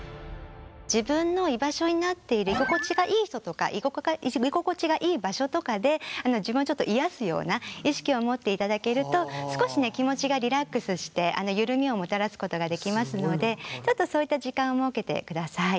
自分の居場所になっている居心地がいい人とか居心地がいい場所とかで自分をちょっと癒やすような意識を持っていただけると少しね気持ちがリラックスして緩みをもたらすことができますのでちょっとそういった時間を設けてください。